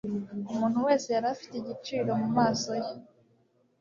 Umuntu wese yarafitigiciro mu maso ye